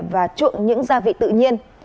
và truộng những gia vị tự nhiên